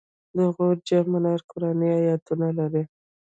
د غور جام منار قرآني آیتونه لري